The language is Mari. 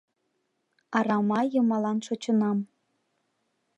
Арама йымалан шочынам